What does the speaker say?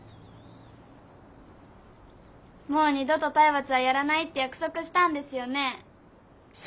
もう二度と体罰はやらないって約束したんですよね？